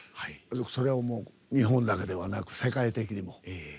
それは、もう日本だけではなく世界的にも。